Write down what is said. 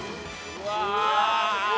うわ。